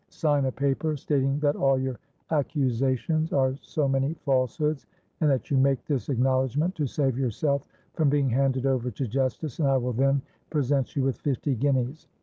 Sign a paper, stating that all your accusations are so many falsehoods, and that you make this acknowledgment to save yourself from being handed over to justice; and I will then present you with fifty guineas.'